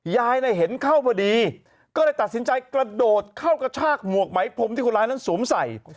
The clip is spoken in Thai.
เห็นเข้าพอดีก็เลยตัดสินใจกระโดดเข้ากระชากหมวกไหมพรมที่คนร้ายนั้นสวมใส่